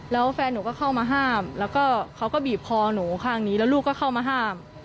แล้วแฟนหนูก็เข้ามาห้ามแล้วก็เขาก็บีบคอหนูข้างนี้แล้วลูกก็เข้ามาห้าม